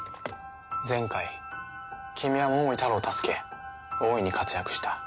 前回君は桃井タロウを助け大いに活躍した。